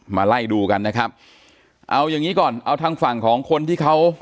มาไล่ดูกันนะครับเอาอย่างงี้ก่อนเอาทางฝั่งของคนที่เขา